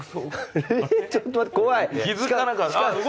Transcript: ちょっと待って怖い。